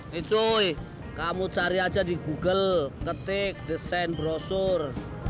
nih cuy kamu cari aja di google ketik design brosur